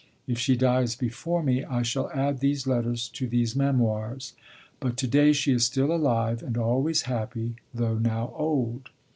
If she dies before me, I shall add these letters to these Memoirs; but to day she is still alive, and always happy, though now old.'